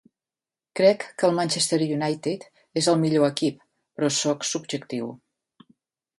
Crec que el Manchester United és el millor equip, però soc subjectiu.